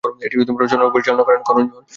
এটি রচনা ও পরিচালনা করেন করণ জোহর।